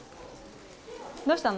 どうしたの？